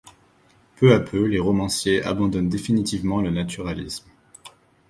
Peu à peu les romanciers abandonnent définitivement le naturalisme.